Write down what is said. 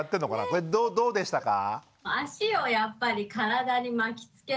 これどうでしたか？